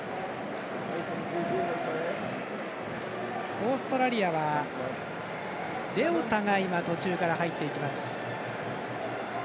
オーストラリアは、レオタが今、途中から入っていきます。